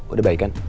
udah baik kan